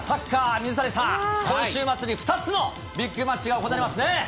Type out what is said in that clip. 水谷さん、今週末に２つのビッグマッチが行われますね。